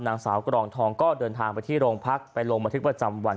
นางสาวกรองทองก็เดินทางไปที่โรงพักไปลงบันทึกประจำวัน